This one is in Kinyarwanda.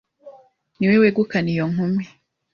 ni we wegukana iyo nkumi